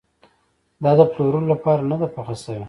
دا د پلورلو لپاره نه ده پخه شوې.